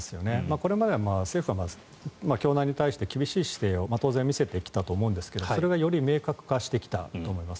これまで政府は教団に対して厳しい姿勢を当然見せてきたと思うんですがそれがより明確化してきたと思います。